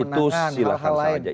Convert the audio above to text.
itu silahkan saja